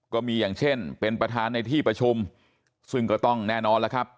ก็มีอย่างเช่นเป็นประธานในที่ประชุมซึ่งก็ต้องแน่นอนแล้วครับ